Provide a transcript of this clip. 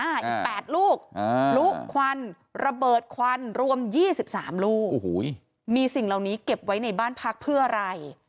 อีก๘ลูกลุควันระเบิดควันรวม๒๓ลูกโอ้โหมีสิ่งเหล่านี้เก็บไว้ในบ้านพักเพื่ออะไร